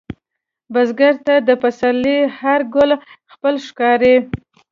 بزګر ته د پسرلي هر ګل خپل ښکاري